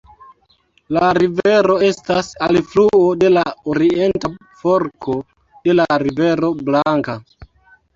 La rivero estas alfluo de la orienta forko de la Rivero Blanka.